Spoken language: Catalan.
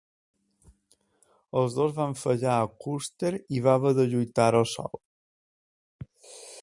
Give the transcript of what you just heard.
Els dos van fallar a Custer i va haver de lluitar-ho sol.